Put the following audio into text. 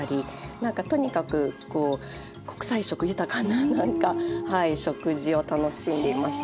なんかとにかくこう国際色豊かななんかはい食事を楽しんでいました。